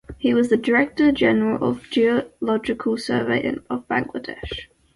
He was the director general of Geological Survey of Bangladesh.